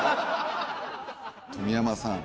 冨山さん。